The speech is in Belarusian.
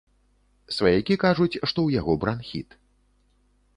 Сваякі кажуць, што ў яго бранхіт.